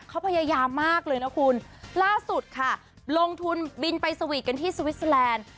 เขาพยายามมากเลยนะคุณล่าสุดค่ะลงทุนบินไปสวีทกันที่สวิสเตอร์แลนด์